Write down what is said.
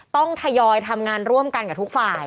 ทยอยทำงานร่วมกันกับทุกฝ่าย